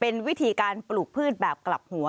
เป็นวิธีการปลูกพืชแบบกลับหัว